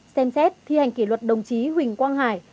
xem xét thi hành kỷ luật đồng chí huỳnh quang hải